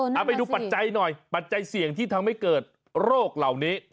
เอาไปดูปัจจัยหน่อยปัจจัยเสี่ยงที่ทำให้เกิดโรคเหล่านี้